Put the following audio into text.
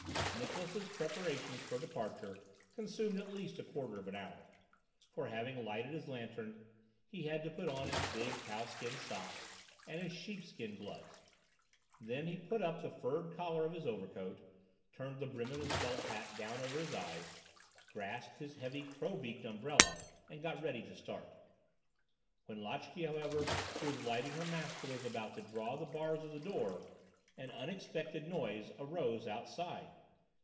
Niklausse's preparations for departure consumed at least a quarter of an hour; for, after having lighted his lantern, he had to put on his big cow skin socks and his sheep skin gloves; then he put up the furred collar of his overcoat, turned the brim of his felt hat down over his eyes, grasped his heavy crow beaked umbrella, and got ready to start. When Lotchè, however, who was lighting her master, was about to draw the bars of the door, an unexpected noise arose outside.